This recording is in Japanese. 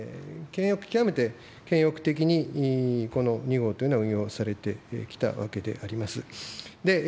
極めて謙抑的にこの２号というのは運用されてきたわけであります。